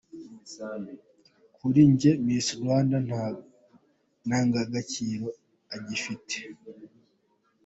Kuri njye Miss Rwanda nta ndangagaciro igifite.